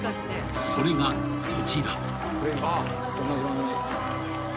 それがこちら］